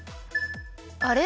あれ？